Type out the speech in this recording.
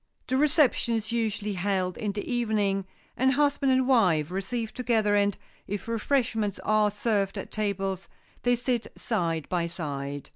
The reception is usually held in the evening, and husband and wife receive together, and, if refreshments are served at tables, they sit side by side.